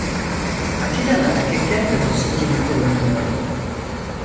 Atinalı erkekler de bu stili kullanıyordu.